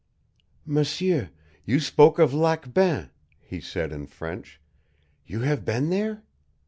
"M'sieur, you spoke of Lac Bain," he said in French. "You have been there?"